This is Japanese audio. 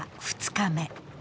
２日目。